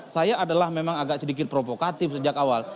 saya adalah memang agak sedikit provokatif sejak awal